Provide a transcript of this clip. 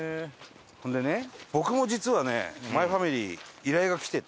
そんでね僕も実はね『マイファミリー』依頼が来てて。